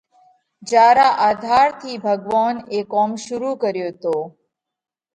جيا را آڌار ٿِي ڀڳوونَ اي ڪوم شرُوع ڪريو تو۔